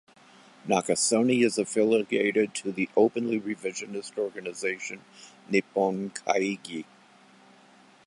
Nakasone is affiliated to the openly revisionist organization Nippon Kaigi.